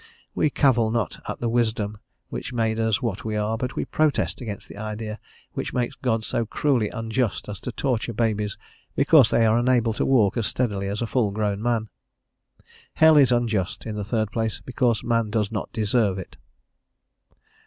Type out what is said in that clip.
We cavil not at the wisdom which made us what we are, but we protest against the idea which makes God so cruelly unjust as to torture babies because they are unable to walk as steadily as full grown men. Hell is unjust, in the third place, because man does not deserve it.